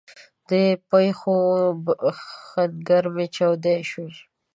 د پښو ښنګري می چاودی شوي